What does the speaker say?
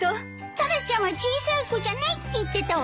タラちゃんは小さい子じゃないって言ってたわよね。